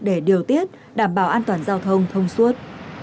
để điều tiết đảm bảo an toàn giao thông thông suốt